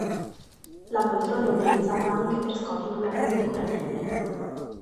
La poltrona è utilizzata anche per scopi puramente decorativi.